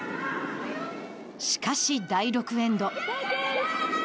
しかし、第６エンド。